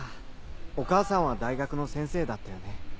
お母さんは大学の先生だったよね。